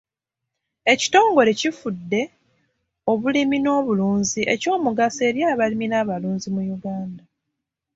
Ekitongole kifudde obulimi n'obulunzi eky'omugaso eri abalimi n'abalunzi mu Uganda.